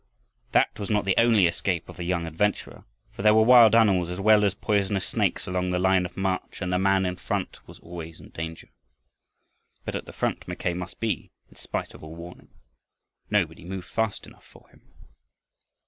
That was not the only escape of the young adventurer, for there were wild animals as well as poisonous snakes along the line of march, and the man in the front was always in danger. But at the front Mackay must be in spite of all warning. Nobody moved fast enough for him.